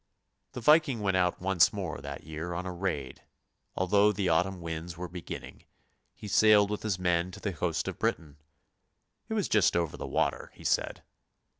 The Viking went out once more that year on a raid, although the autumn winds were beginning ; he sailed with his men to the coast of Britain, " it was just over the water," he said.